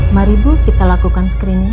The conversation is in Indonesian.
mari bu kita lakukan screening